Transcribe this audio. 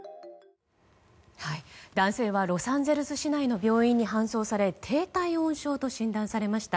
男性はロサンゼルス市内の病院に搬送され低体温症と診断されました。